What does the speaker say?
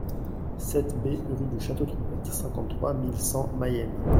sept B rue du Château Trompette, cinquante-trois mille cent Mayenne